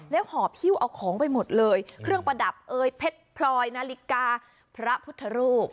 แล้วห่อหิ้วเอาของไปหมดเลยเครื่องประดับเอ่ยเพชรพลอยนาฬิกาพระพุทธรูป